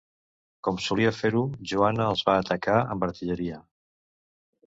Com solia fer-ho, Joana els va atacar amb artilleria.